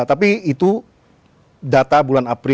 tapi itu data bulan april